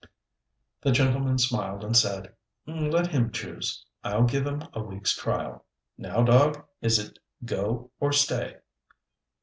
The gentleman smiled, and said, "Let him choose. I'll give him a week's trial. Now, dog, is it go or stay?"